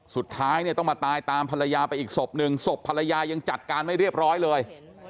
สุดท้ายเนี่ยต้องมาตายตามภรรยาไปอีกศพหนึ่งศพภรรยายังจัดการไม่เรียบร้อยเลย